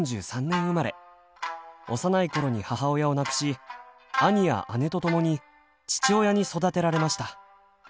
幼いころに母親を亡くし兄や姉とともに父親に育てられました。